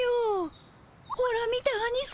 ほら見てアニさん。